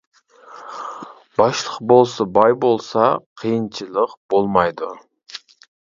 باشلىق بولسا، باي بولسا، قىيىنچىلىق بولمايدۇ.